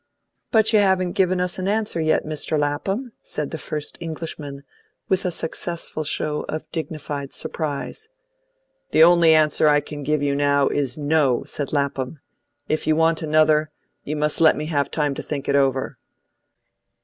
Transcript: "But you haven't given us an answer yet, Mr. Lapham," said the first Englishman with a successful show of dignified surprise. "The only answer I can give you now is, NO," said Lapham. "If you want another, you must let me have time to think it over."